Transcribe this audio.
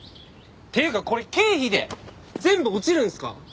っていうかこれ経費で全部落ちるんすか？